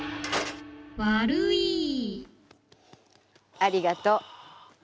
ありがとう。はあ。